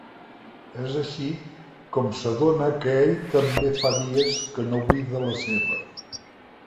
És així com s'adona que ell també fa dies que no buida la seva.